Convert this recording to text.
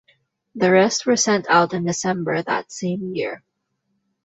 The rest were sent out in December that same year.